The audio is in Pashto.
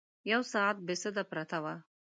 یو ساعت بې سده پرته وه.